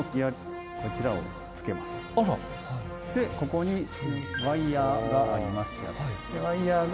ここにワイヤーがありまして。